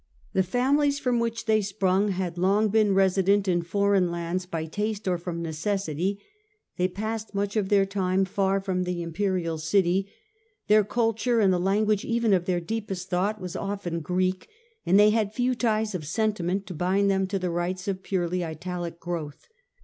The families from which they sprung had been long resident in foreign lands ; by taste or from necessity they passed much of their time far from the imperial city ; their culture and the language even of their deepest thought was often Greek, and they had few ties of sentiment to bind them to the rites of purely Italic growth.